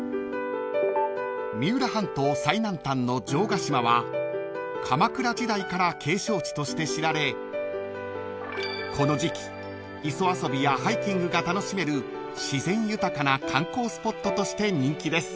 ［三浦半島最南端の城ヶ島は鎌倉時代から景勝地として知られこの時季磯遊びやハイキングが楽しめる自然豊かな観光スポットとして人気です］